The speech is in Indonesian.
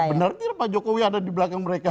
benar tidak pak jokowi ada di belakang mereka